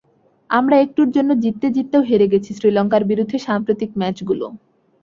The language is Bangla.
আমরা একটুর জন্য জিততে জিততেও হেরে গেছি শ্রীলঙ্কার বিরুদ্ধে সাম্প্রতিক ম্যাচগুলো।